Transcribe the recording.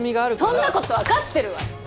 そんなこと分かってるわよ！